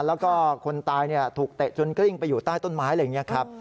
แล้วก็คนตายถูกเตะจนกลิ้งไปอยู่ใต้ต้นไม้อะไรอย่างนี้ครับ